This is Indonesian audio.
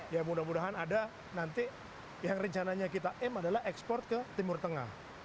ya mudah mudahan ada nanti yang rencananya kita em adalah ekspor ke timur tengah